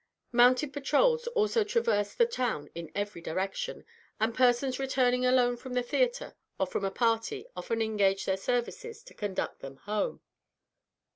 Mounted patrols also traverse the town in every direction, and persons returning alone from the theatre or from a party, often engage their services to conduct them home.